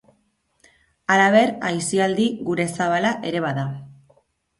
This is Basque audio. Halaber, aisialdi gune zabala ere bada.